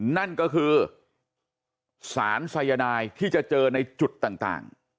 นั่นก็คือสารสายนายที่จะเจอในจุดต่าง